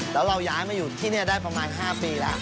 แล้วเราย้ายมาอยู่ที่นี่ได้ประมาณ๕ปีแล้ว